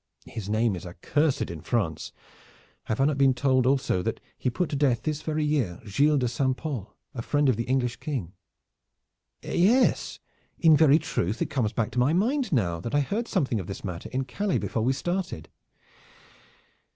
"His name is accursed in France. Have I not been told also that he put to death this very year Gilles de St. Pol, a friend of the English King?" "Yes, in very truth it comes back to my mind now that I heard something of this matter in Calais before we started."